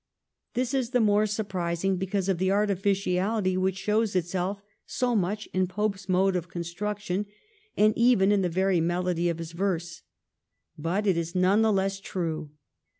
This is the more surprising because of the artificiality which shows itself so much in Pope's mode of construction, and even in the very melody of his verse ; but it is none the less true.